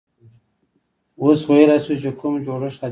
اوس ویلای شو چې کوم جوړښت عادلانه دی.